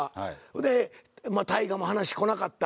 で大河も話来なかった。